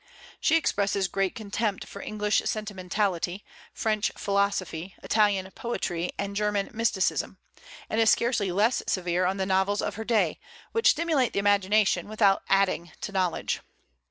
She expresses great contempt for English sentimentality, French philosophy, Italian poetry, and German mysticism, and is scarcely less severe on the novels of her day, which stimulate the imagination without adding to knowledge.